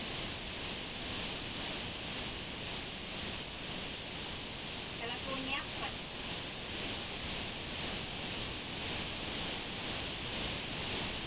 Kalivuuñiaqpat?